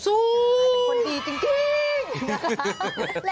เป็นคนดีจริง